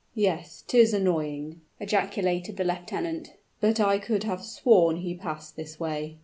"Yes; 'tis annoying!" ejaculated the lieutenant, "but I could have sworn he passed this way."